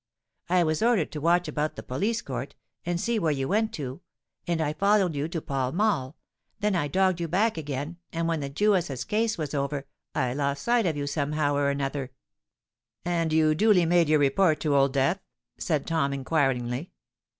I was ordered to watch about the police court, and see where you went to; and I followed you to Pall Mall—then I dogged you back again—and when the Jewess's case was over, I lost sight of you somehow or another." "And you duly made your report to Old Death?" said Tom inquiringly.